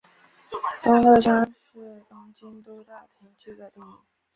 东六乡是东京都大田区的町名。